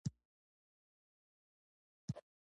زه افسر نه یم، ته اصلاً ایټالوی نه یې، ته یو بهرنی کس یې.